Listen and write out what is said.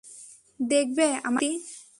দেখবে আমার শক্তি?